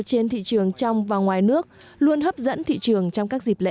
trên thị trường trong và ngoài nước luôn hấp dẫn thị trường trong các dịp lễ